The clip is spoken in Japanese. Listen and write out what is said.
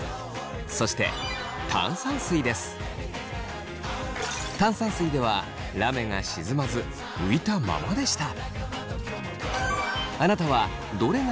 そして炭酸水ではラメが沈まず浮いたままでした。